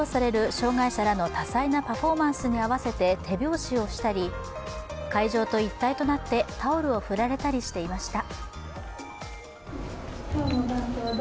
障害者らの多彩なパフォーマンスに合わせて手拍子をしたり、会場と一体となってタオルを振られたりしていました。